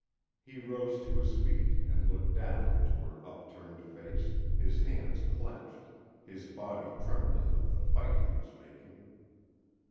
He rose to his feet and looked down into her upturned face, his hands clenched, his body trembling with the fight he was making.